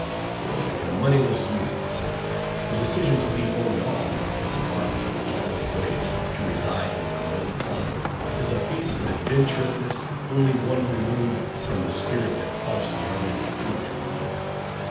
For in a moneyless youth, the decision to leave home at all, and embark upon a long voyage to reside in a remote clime, is a piece of adventurousness only one removed from the spirit that prompts the army recruit to enlist.